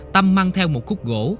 tâm mang theo một khúc gỗ